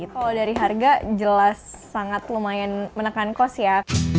kalau dari harga jelas sangat lumayan menekan kos ya